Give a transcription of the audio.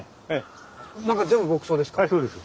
中全部牧草ですか？